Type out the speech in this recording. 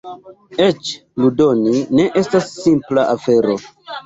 Eĉ ludoni ne estas simpla afero.